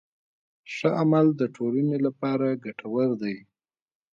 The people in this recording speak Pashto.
ښه عمل د ټولنې لپاره ګټور دی.